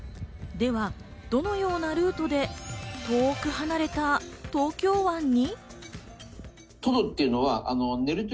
ではどのようなルートで遠く離れた東京湾に？